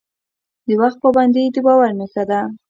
د وخت پابندي د باور نښه ده.